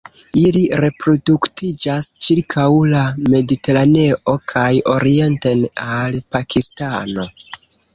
Ili reproduktiĝas ĉirkaŭ la Mediteraneo kaj orienten al Pakistano.